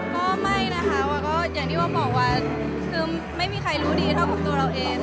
ก็ไม่นะคะว่าก็อย่างที่ว่าบอกว่าคือไม่มีใครรู้ดีเท่ากับตัวเราเอง